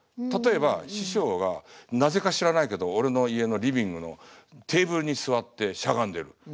例えば師匠はなぜか知らないけど俺の家のリビングのテーブルに座ってしゃがんでる。